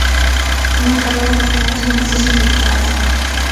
Unha calor que fai que as noites sexan tropicais.